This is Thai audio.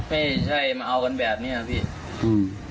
ไม่ใช่มาเอากันแบบเนี้ยพี่อืม